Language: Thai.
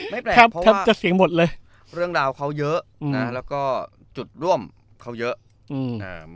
ไม่แปลกเพราะว่าเสียงหมดเลยเรื่องราวเขาเยอะอืมอ่าแล้วก็จุดร่วมเขาเยอะอืม